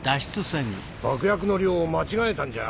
爆薬の量を間違えたんじゃ。